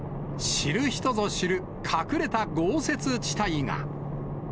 知る人ぞ知る、隠れた豪雪地帯が。